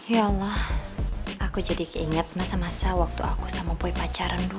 ya allah aku jadi ingat masa masa waktu aku sama pui pacaran dulu